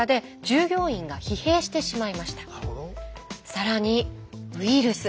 更にウイルス。